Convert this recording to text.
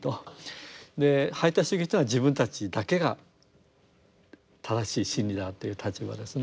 排他主義というのは自分たちだけが正しい真理だという立場ですね。